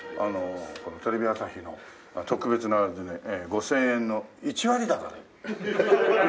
このテレビ朝日の特別なあれでね５０００円の１割高で。